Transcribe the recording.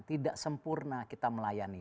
tidak sempurna kita melayani